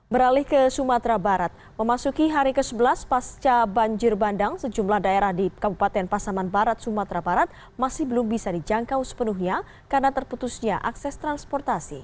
beralih ke sumatera barat memasuki hari ke sebelas pasca banjir bandang sejumlah daerah di kabupaten pasaman barat sumatera barat masih belum bisa dijangkau sepenuhnya karena terputusnya akses transportasi